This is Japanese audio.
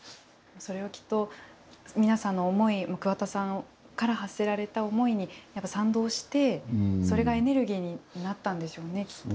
それはきっと皆さんの思い桑田さんから発せられた思いに賛同してそれがエネルギーになったんでしょうねきっと。